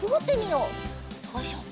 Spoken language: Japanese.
よいしょ。